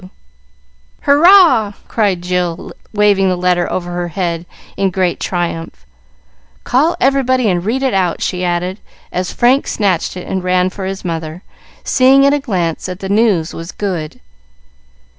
W." "Hurrah!" cried Jill, waving the letter over her head in great triumph. "Call everybody and read it out," she added, as Frank snatched it, and ran for his mother, seeing at a glance that the news was good.